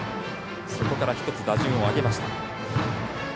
そこから１つ打順を上げました。